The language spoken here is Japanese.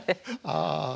ああ。